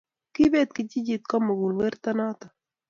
Kibeet kijijit komugul werto noto